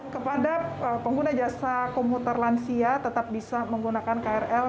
kepada pengguna jasa komputer lansia tetap bisa menggunakan krl